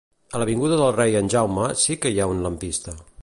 A l'avinguda del Rei en Jaume sí que hi ha un lampista